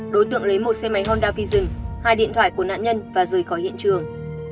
đối tượng lấy một xe máy honda vision hai điện thoại của nạn nhân và rời khỏi hiện trường